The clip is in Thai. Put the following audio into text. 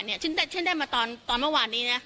ฉันได้มาตอนเมื่อวานนี้นะ